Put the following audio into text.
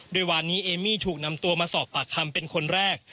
โดยวานนี้เอมมี่ถูกนำตัวมาสอบปากคำเป็นคนแรก